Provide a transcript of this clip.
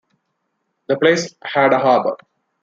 The place had a harbour.